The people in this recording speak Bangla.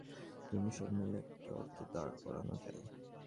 তবু সব মিলিয়ে একটা অর্থ দাঁড় করানো যায়।